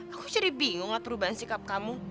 aku jadi bingung lah perubahan sikap kamu